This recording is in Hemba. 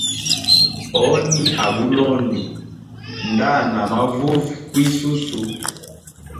Honi a bulondo nda hana mavuvi kwisusu.